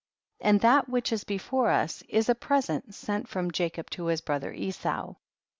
45. And that which is before us is a present sent from Jacob to his bro ther Esau.